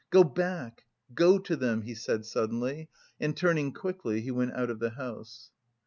"Go back, go to them," he said suddenly, and turning quickly, he went out of the house.